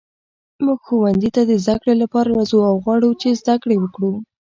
موږ ښوونځي ته د زده کړې لپاره راځو او غواړو چې زده کړې وکړو.